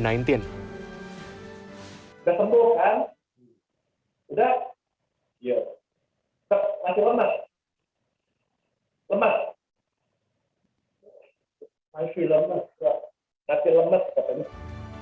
tidak nanti lemas lemas nanti lemas nanti lemas